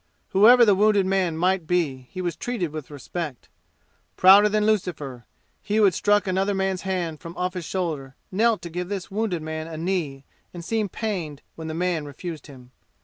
Whoever the wounded man might be he was treated with respect. Prouder than Lucifer, he who had struck another man's hand from off his shoulder knelt to give this wounded man a knee and seemed pained when the man refused him.